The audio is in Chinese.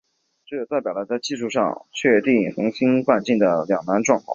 这代表了在技术上确定恒星半径的两难状况。